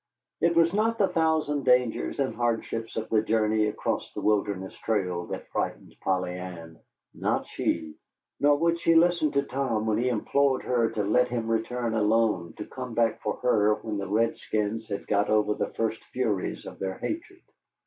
It was not the thousand dangers and hardships of the journey across the Wilderness Trail that frightened Polly Ann. Not she. Nor would she listen to Tom when he implored her to let him return alone, to come back for her when the redskins had got over the first furies of their hatred.